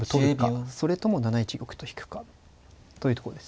それとも７一玉と引くか。というとこです。